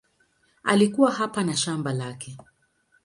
Alikuwa hapa na shamba lake.